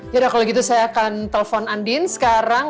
yaudah kalo gitu saya akan telpon andin sekarang